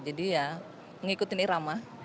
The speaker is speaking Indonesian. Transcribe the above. jadi ya mengikutin irama